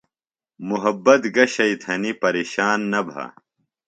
محبت گہ شئی تھنی پریشان نہ بھہ۔